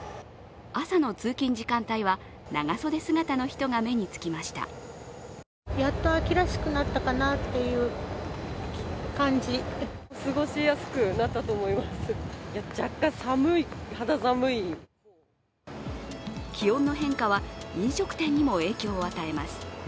朝の通勤時間帯は長袖姿の人が目につきました気温の変化は飲食店にも影響を与えます。